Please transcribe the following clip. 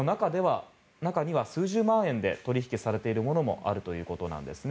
中には数十万円で取引されているものもあるということです。